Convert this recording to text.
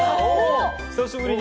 久しぶりに。